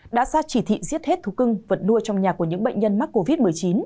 đã ra chỉ thị giết hết thú cưng vật nuôi trong nhà của những bệnh nhân mắc covid một mươi chín